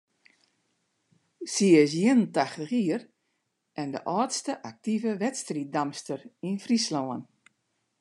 Sy is ien en tachtich jier en de âldste aktive wedstriiddamster yn Fryslân.